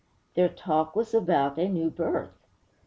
'_Their talk was about a new birth!